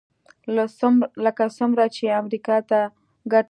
لکه څومره چې امریکا ته ګټه رسوي.